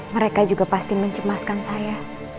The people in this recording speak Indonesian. mereka juga pasti mencemaskan saya